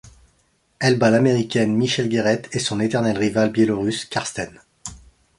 Elle bat l'Américaine Michelle Guerette et son éternelle rivale Biélorusse Karsten.